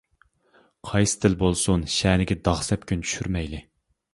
قايسى تىل بولسۇن شەنىگە داغ-سەپكۈن چۈشۈرمەيلى!